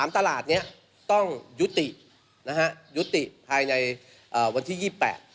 ๓ตลาดเนี่ยต้องยุตินะฮะยุติภายในวันที่๒๘